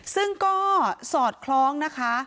ซึ่งก็สอดคล้องนะคะ